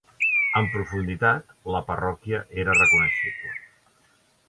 En profunditat, la parròquia era reconeixible.